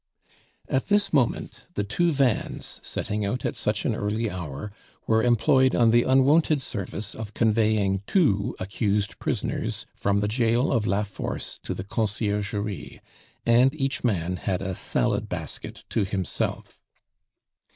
At this moment the two vans, setting out at such an early hour, were employed on the unwonted service of conveying two accused prisoners from the jail of La Force to the Conciergerie, and each man had a "Salad basket" to himself.